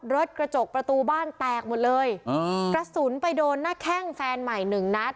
กระจกประตูบ้านแตกหมดเลยกระสุนไปโดนหน้าแข้งแฟนใหม่หนึ่งนัด